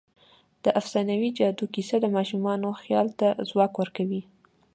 د افسانوي جادو کیسه د ماشومانو خیال ته ځواک ورکوي.